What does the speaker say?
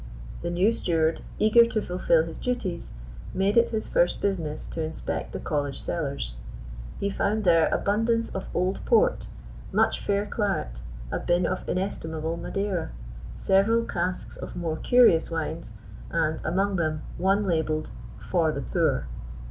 The new steward, eager to fulfil his duties, made it his first business to inspect the college cellars. He found there abundance of old port, much fair claret, a bin of inestimable Madeira, several casks of more curious wines, and among them one labelled "For the Poor."